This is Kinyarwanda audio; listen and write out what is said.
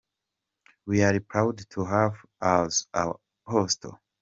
we are proud to have as our Apostle.